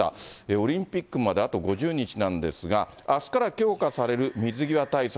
オリンピックまであと５０日なんですが、あすから強化される水際対策。